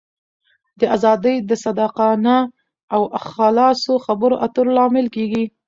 دا آزادي د صادقانه او خلاصو خبرو اترو لامل کېږي.